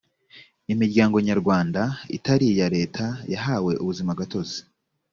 imiryango nyarwanda itari iya leta yahawe ubuzima gatozi